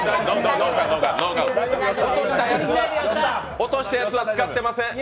落としたやつは使ってません。